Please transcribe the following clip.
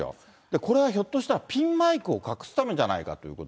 これ、ひょっとしたらピンマイクを隠すためじゃないかって。